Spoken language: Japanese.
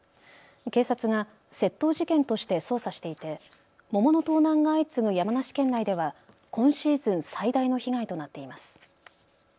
警察が窃盗事件として捜査していて桃の盗難が相次ぐ山梨県内では今シーズン最大の被害となっています。